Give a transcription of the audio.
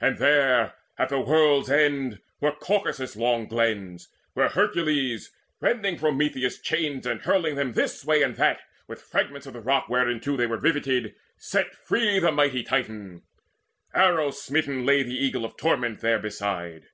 And there, at the world's end, Were Caucasus' long glens, where Hercules, Rending Prometheus' chains, and hurling them This way and that with fragments of the rock Whereinto they were riveted, set free The mighty Titan. Arrow smitten lay The Eagle of the Torment therebeside.